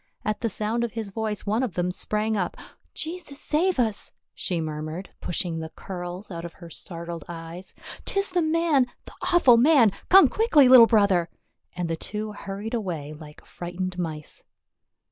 At the sound of his voice one of them sprang up. "Jesus save us !" she mur mured, pushing the curls out of her startled eyes. " 'Tis the man — the awful man ! Come quickly, little brother," and the two hurried away like frightened mice.